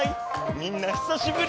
みんなひさしぶり！